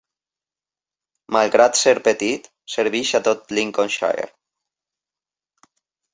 Malgrat ser petit, serveix a tot Linconshire.